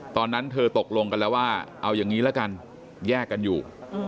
ตอนนั้นเธอตกลงกันแล้วว่าเอาอย่างนี้ละกันแยกกันอยู่